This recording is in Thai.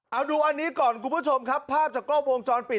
เอาดูอันนี้ก่อนคุณผู้ชมครับภาพจากกล้องวงจรปิด